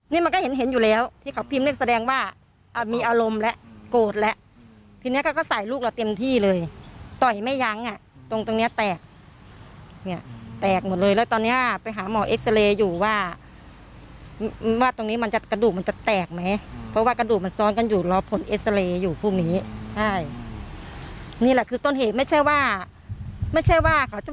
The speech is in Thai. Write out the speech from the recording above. นี่มันก็เห็นเห็นอยู่แล้วที่เขาพิมพ์เรียกแสดงว่ามีอารมณ์แล้วโกรธแล้วทีเนี้ยเขาก็ใส่ลูกเราเต็มที่เลยต่อยไม่ยั้งอ่ะตรงตรงเนี้ยแตกเนี่ยแตกหมดเลยแล้วตอนเนี้ยไปหาหมอเอ็กซาเรย์อยู่ว่าตรงนี้มันจะกระดูกมันจะแตกไหมเพราะว่ากระดูกมันซ้อนกันอยู่รอผลเอ็กซาเรย์อยู่พวกนี้ใช่นี่แหละคือต้นเหตุไม่ใช่ว่าไม่ใช่ว่าเขาจะ